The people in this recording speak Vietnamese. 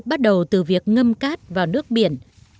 bắt đầu từ việc ngâm cát vào nước biển